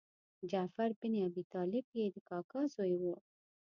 جعفر بن ابي طالب یې د کاکا زوی و.